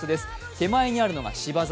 手前にあるのが芝桜。